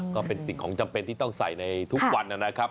ก็เป็นสิ่งของจำเป็นที่ต้องใส่ในทุกวันนะครับ